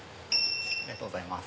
ありがとうございます。